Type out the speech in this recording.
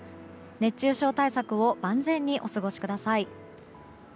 熱中症対策を万全にお過ごしください。